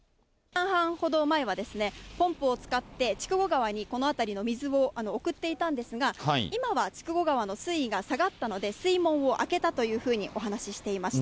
ほど前はポンプを使って筑後川にこの辺りの水を送っていたんですが、今は筑後川の水位が下がったので、水門を開けたというふうに話していました。